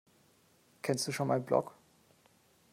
Kennst du schon mein Blog?